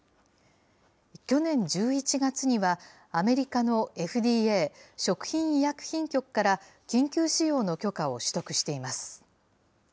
去年１１月には、アメリカのＦＤＡ・食品医薬品局から緊急使用の許可を取得しています。